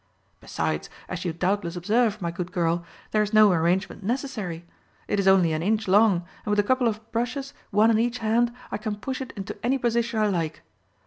Besides, as you doubtless observe, my good girl, there is no arrangement necessary. It is only an inch long, and with a couple of brushes, one in each hand, I can push it into any position I like.